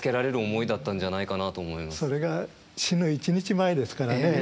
それが死ぬ１日前ですからね。